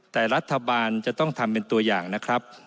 แต่รัฐบาลจะต้องทำเป็นตัวอย่างนะครับ